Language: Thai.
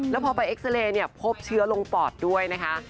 แล้วพอไปเอ็กซาเรย์เนี่ยพบเชื้อลงปอดด้วยนะคะ